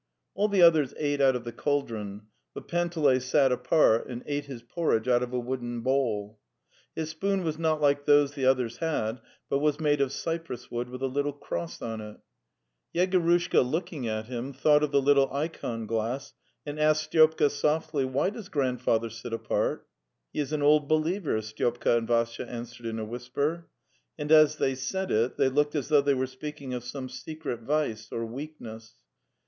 All the others ate out of the cauldron, but Panteley sat apart and ate his porridge out of a wooden bowl. His spoon was not like those the others had, but was made of cypress wood, with a little cross on it. Yegorushka, looking at him, thought of the little ikon glass and asked Styopka softly: "Why does Grandfather sit apart?" "He is an Old Believer," Styopka and Vassya answered in a whisper. And as they said it they looked as though they were speaking of some secret vice or weakness.